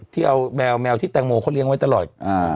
ที่เอาแมวแมวที่แตงโมเขาเลี้ยงไว้ตลอด